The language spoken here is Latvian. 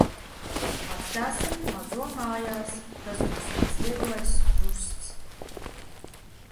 Atstāsim mazo mājās. Tas būs mans vieglais krusts.